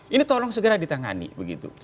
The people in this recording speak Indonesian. ini tolong segera ditangani begitu